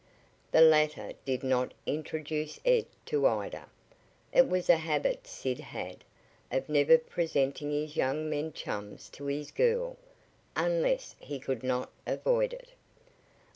The latter did not introduce Ed to Ida. It was a habit Sid had, of never presenting his young men chums to his "girl," unless he could not avoid it.